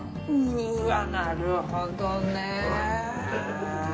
うわなるほどね。